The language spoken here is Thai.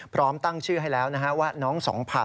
พร้อมตั้งชื่อให้แล้วนะฮะว่าน้อง๒๐๐๐